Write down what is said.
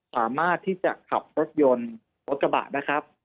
สามารถที่จะขับรถยนต์รถกระบะนะครับ